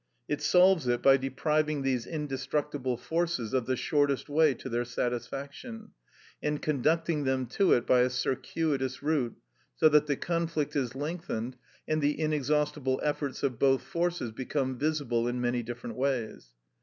It solves it by depriving these indestructible forces of the shortest way to their satisfaction, and conducting them to it by a circuitous route, so that the conflict is lengthened and the inexhaustible efforts of both forces become visible in many different ways.